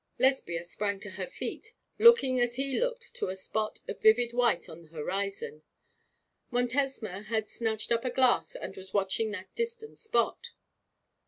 Lesbia sprang to her feet, looking as he looked to a spot of vivid white on the horizon. Montesma had snatched up a glass and was watching that distant spot.